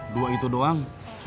dua itu doang